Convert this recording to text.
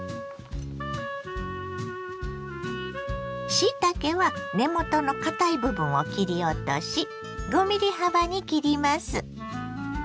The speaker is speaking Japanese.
しいたけは根元の堅い部分を切り落とし５ｍｍ幅に切ります。